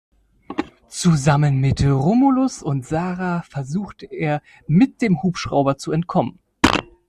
Zusammen mit Romulus und Sarah versucht er, mit dem Hubschrauber zu entkommen.